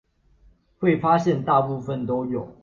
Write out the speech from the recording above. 會發現大部分都有